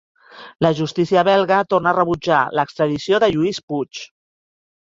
La justícia belga torna a rebutjar l'extradició de Lluís Puig.